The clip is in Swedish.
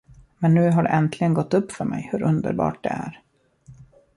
Men nu har det äntligen gått upp för mig hur underbart det är.